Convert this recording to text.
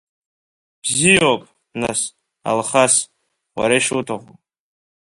Бзиоуп, нас, Алхас, уара ишуҭаху.